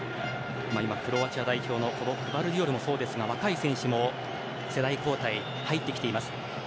クロアチア代表のグヴァルディオルもそうですが若い選手も世代交代で入ってきています。